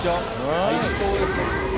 最高ですね。